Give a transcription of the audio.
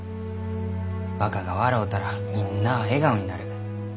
若が笑うたらみんなあ笑顔になる。